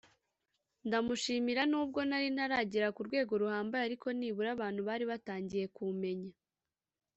ndamushimira nubwo nari ntaragera ku rwego ruhambaye ariko nibura abantu bari batangiye kumenya